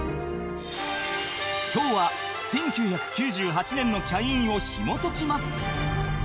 今日は１９９８年のキャインをひも解きます